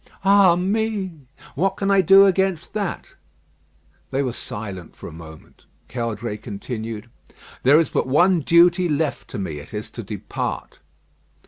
"Ah, me!" "What can I do against that?" They were silent for a moment. Caudray continued: "There is but one duty left to me. It is to depart."